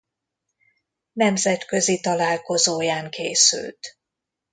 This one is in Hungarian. Nemzetközi Találkozóján készült.